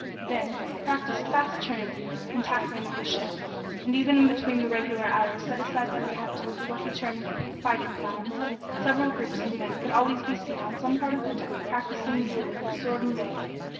Then they practised fast turning and tacking of the ship, and even in between the regular hours set aside by the Captain for what he termed "fighting time," several groups of men could always be seen on some part of the deck practising dueling with sword and dagger.